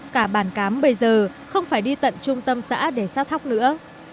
cả bản cám bây giờ không phải đi tận trung tâm xã để sát thóc nữa